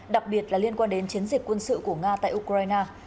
đặc biệt là liên quan đến chiến dịch quân sự của nga tại ukraine